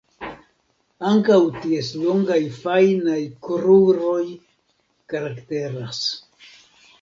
Ankaŭ ties longaj fajnaj kruroj karakteras.